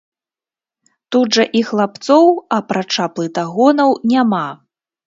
Тут жа і хлапцоў, апрача плытагонаў, няма.